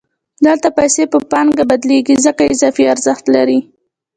دلته پیسې په پانګه بدلېږي ځکه اضافي ارزښت لري